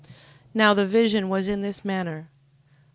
15:12. Now the vision was in this manner.